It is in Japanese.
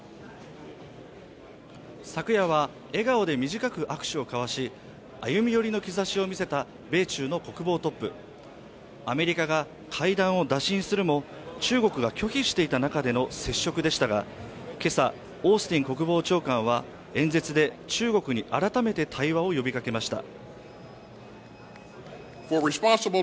昨夜は笑顔で短く握手を交わし、歩み寄りの兆しを見せた米中の国防トップアメリカが会談を打診するも、中国が拒否していた中での接触でしたが今朝、オースティン国防長官は演説で、中国に改めて対話を呼びかけました。